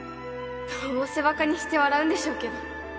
どうせバカにして笑うんでしょうけど